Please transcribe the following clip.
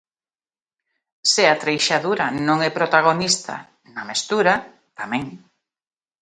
Se a treixadura non é protagonista na mestura, tamén.